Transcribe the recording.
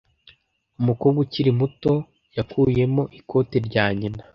Umukobwa ukiri muto yakuyemo ikote rya nyina.